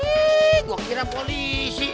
wih gua kira polisi